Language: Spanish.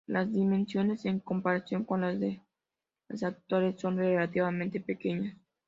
Las dimensiones, en comparación con las de las actuales, son relativamente pequeñas.